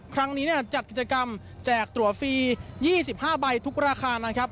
ครั้งนี้จัดกิจกรรมแจกตัวฟรี๒๕ใบทุกราคานะครับ